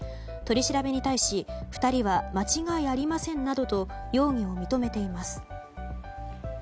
取り調べに対し、２人は間違いありませんなどと容疑を認めています。